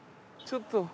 ちょっと。